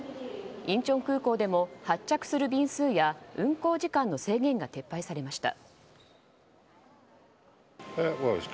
インチョン空港でも発着する便数や運航時間の制限が撤廃されました。